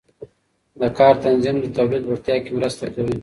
د کار تنظیم د تولید لوړتیا کې مرسته کوي.